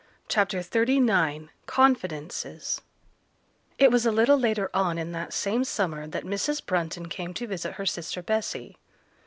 CHAPTER XXXIX CONFIDENCES It was a little later on in that same summer that Mrs. Brunton came to visit her sister Bessy.